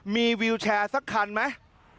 มีวิวแชร์สักคันไหม